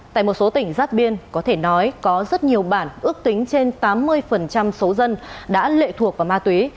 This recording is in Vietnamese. tại một số tỉnh giáp biên có thể nói có rất nhiều bản ước tính trên tám mươi số dân đã lệ thuộc vào ma túy